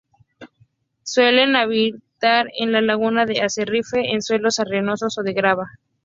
Suelen habitar en las lagunas de arrecife, en suelos arenosos o de grava.